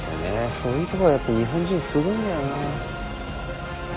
そういうとこがやっぱ日本人すごいんだよな。